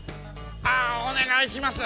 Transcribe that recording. あおねがいします。